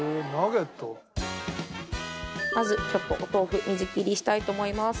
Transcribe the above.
まずちょっとお豆腐水切りしたいと思います。